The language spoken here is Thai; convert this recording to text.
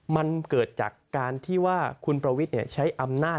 มันเกิดจากการที่ว่าคุณประวิทย์ใช้อำนาจ